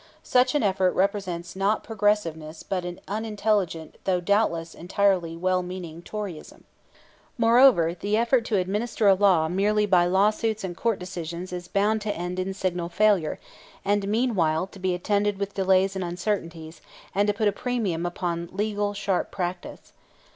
Such an effort represents not progressiveness but an unintelligent though doubtless entirely well meaning toryism. Moreover, the effort to administer a law merely by lawsuits and court decisions is bound to end in signal failure, and meanwhile to be attended with delays and uncertainties, and to put a premium upon legal sharp practice.